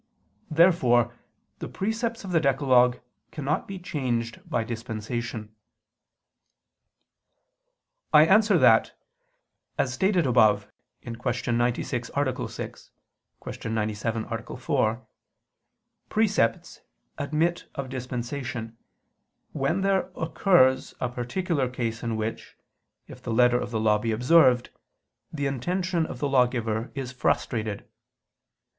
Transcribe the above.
Therefore the precepts of the decalogue cannot be changed by dispensation. I answer that, As stated above (Q. 96, A. 6; Q. 97, A. 4), precepts admit of dispensation, when there occurs a particular case in which, if the letter of the law be observed, the intention of the lawgiver is frustrated.